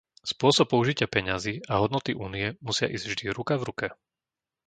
Spôsob použitia peňazí a hodnoty Únie musia ísť vždy ruka v ruke.